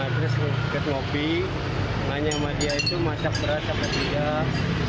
terus ke kopi tanya sama dia itu masak beras apa tidak